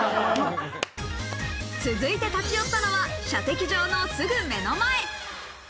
続いて立ち寄ったのは、射的場のすぐ目の前。